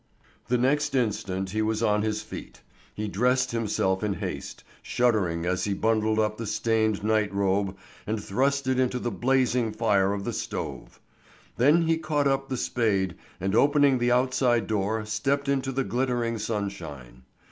The next instant he was on his feet. He dressed himself in haste, shuddering as he bundled up the stained night robe and thrust it into the blazing fire of the stove. Then he caught up the spade, and opening the outside door stepped into the glittering sunshine.